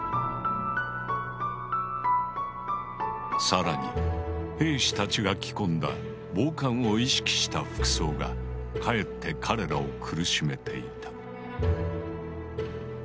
更に兵士たちが着込んだ防寒を意識した服装がかえって彼らを苦しめていた。